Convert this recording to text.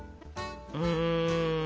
うん。